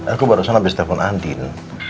aku barusan abis telepon andin